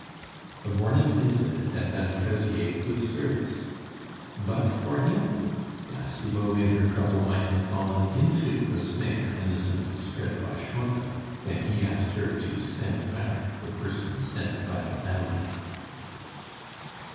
The morning's incident had done Fraisier good service; but for him, La Cibot in her trouble might have fallen into the snare innocently spread by Schmucke, when he asked her to send back the person sent by the family.